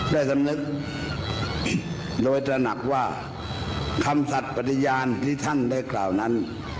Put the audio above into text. ได้สำนึกโดยตระหนักว่าคำสัตว์ปฏิญาณที่ท่านได้กล่าวนั้น